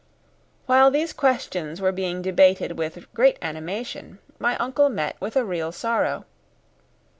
While these questions were being debated with great animation, my uncle met with a real sorrow.